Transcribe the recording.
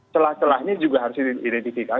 celah celahnya juga harus diidentifikasi